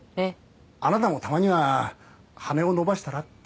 あなたもたまには羽を伸ばしたらって